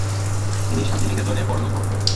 তিনি শান্তিনিকেতনে পরলোকগমন করেন।